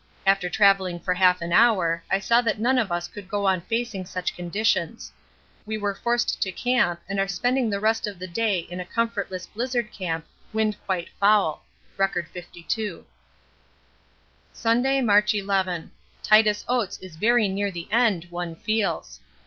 After travelling for half an hour I saw that none of us could go on facing such conditions. We were forced to camp and are spending the rest of the day in a comfortless blizzard camp, wind quite foul. (R. 52.) Sunday, March ll. Titus Oates is very near the end, one feels.